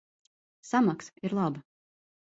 Samaksa ir laba.